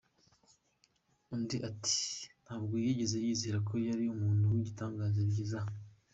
Undi ati “Ntabwo yigeze yizera ko yari umuntu w’igitangaza bigeze aha.